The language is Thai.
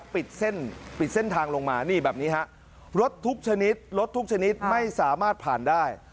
ปิดเส้นทางลงมานี่แบบนี้ฮะรถทุกชนิดไม่สามารถผ่านได้